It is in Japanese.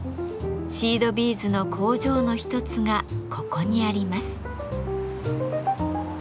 シードビーズの工場の一つがここにあります。